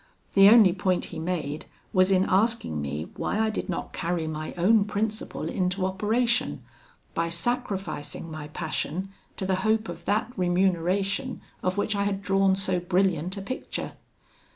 The only point he made, was in asking me why I did not carry my own principle into operation, by sacrificing my passion to the hope of that remuneration of which I had drawn so brilliant a picture.